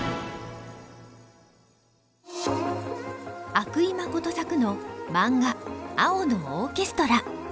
阿久井真作のマンガ「青のオーケストラ」。